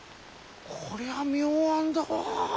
こりゃあ妙案だわあ。